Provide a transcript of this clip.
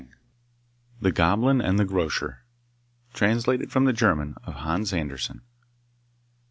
The Goblin and the Grocer Translated from the German of Hans Andersen.